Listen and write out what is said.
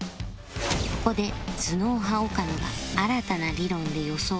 ここで頭脳派岡野が新たな理論で予想を立てる